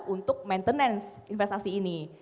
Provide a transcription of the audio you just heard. untuk maintenance investasi ini